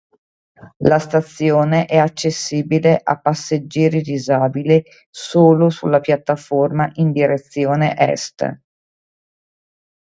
La stazione è accessibile a passeggeri disabili solo sulla piattaforma in direzione est.